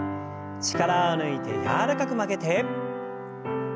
力を抜いて柔らかく曲げて反らせて。